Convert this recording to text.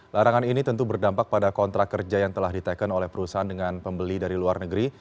larangan ini tentu berdampak pada kontrak kerja yang telah diteken oleh perusahaan dengan pembeli dari luar negeri